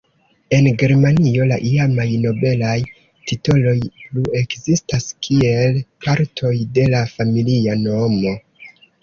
En Germanio la iamaj nobelaj titoloj plu ekzistas kiel partoj de la familia nomo.